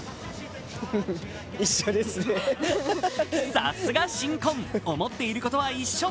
さすが新婚、思っていることは一緒。